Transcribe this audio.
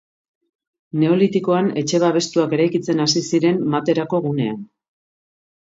Neolitikoan etxe babestuak eraikitzen hasi ziren Materako gunean.